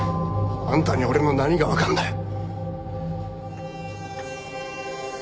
あんたに俺の何がわかんだよ！